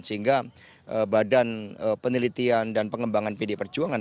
sehingga badan penelitian dan pengembangan pd perjuangan